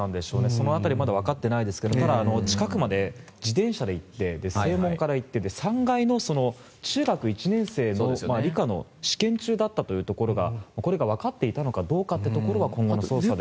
その辺りまだわかってないですがただ、近くまで自転車で行って正門から行って３階の中学１年生の理科の試験中だったというところがわかっていたのかどうかというのは今後の捜査で。